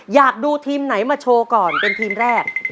อยากดูทีมไหนมาโชว์ก่อนเป็นทีมแรก